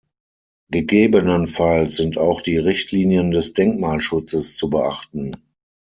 Gegebenenfalls sind auch die Richtlinien des Denkmalschutzes zu beachten.